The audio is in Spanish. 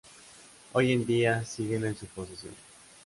Hoy en día, siguen en su posesión.